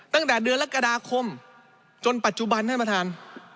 ตั้งแต่เดือนกรกฎาคมจนปัจจุบันท่านประธาน